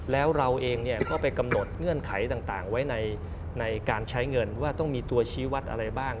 แล้วเราเองก็ไปกำหนดเงื่อนไขต่างไว้ในการใช้เงินว่าต้องมีตัวชี้วัดอะไรบ้าง